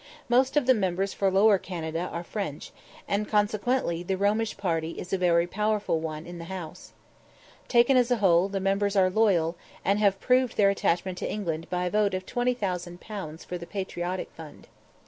Most of the members for Lower Canada are French, and, consequently, the Romish party is a very powerful one in the House. Taken as a whole, the members are loyal, and have proved their attachment to England by a vote of 20,000_l._ for the Patriotic Fund.